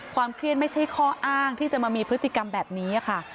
เครียดไม่ใช่ข้ออ้างที่จะมามีพฤติกรรมแบบนี้ค่ะ